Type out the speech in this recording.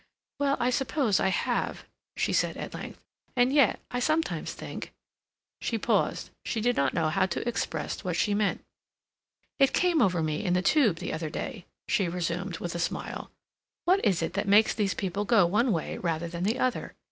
"Well, I suppose I have," she said at length. "And yet I sometimes think—" She paused; she did not know how to express what she meant. "It came over me in the Tube the other day," she resumed, with a smile; "what is it that makes these people go one way rather than the other?